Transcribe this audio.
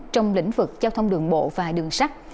trong lĩnh vực giao thông đường bộ và đường sắt